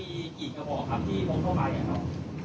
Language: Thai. ได้มากเยอะ